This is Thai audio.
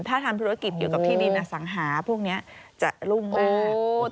ถ้าทำธุรกิจเกี่ยวกับที่ดินอสังหาพวกนี้จะรุ่งมาก